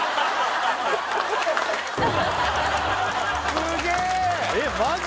すげえ！